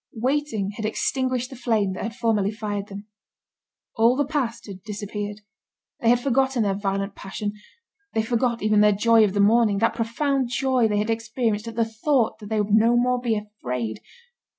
Waiting had extinguished the flame that had formerly fired them. All the past had disappeared. They had forgotten their violent passion, they forgot even their joy of the morning, that profound joy they had experienced at the thought that they would no more be afraid.